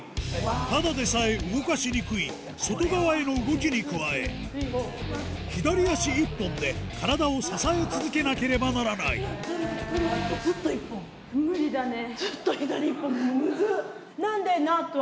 ただでさえ動かしにくい外側への動きに加え左足１本で体を支え続けなければならないえぇ！